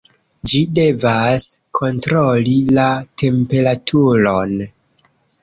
Ĝi devas kontroli la temperaturon.